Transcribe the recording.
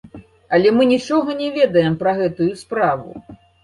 Але мы нічога не ведаем пра гэтую справу.